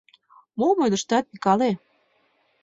— Мом ойлыштат, Микале?